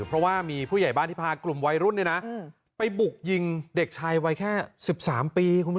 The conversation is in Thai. เพราะว่ามีผู้ใหญ่บ้านที่พากลุ่มวัยรุ่นไปบุกยิงเด็กชายวัยแค่๑๓ปีคุณผู้ชม